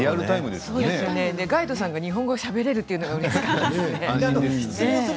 ガイドさんが日本語をしゃべれるというのがうれしかったです。